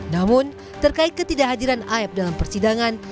namun terkait ketidakhadiran aeb dalam persidangan